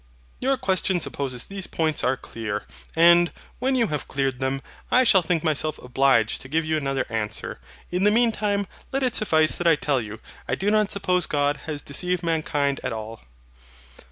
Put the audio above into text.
Your question supposes these points are clear; and, when you have cleared them, I shall think myself obliged to give you another answer. In the meantime, let it suffice that I tell you, I do not suppose God has deceived mankind at all.